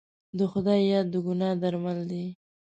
د خدای یاد د ګناه درمل دی.